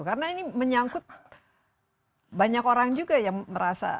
karena ini menyangkut banyak orang juga yang merasa